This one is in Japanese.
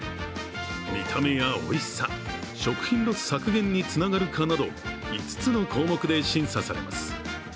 見た目やおいしさ、食品ロス削減につながるかなど５つの項目で審査されます。